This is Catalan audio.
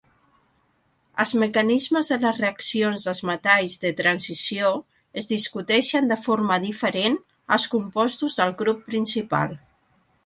Els mecanismes de les reaccions dels metalls de transició es discuteixen de forma diferent als compostos del grup principal.